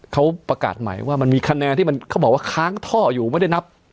เขาประกาศใหม่ว่ามันมีคะแนนที่มันเขาบอกว่าค้างท่ออยู่ไม่ได้นับ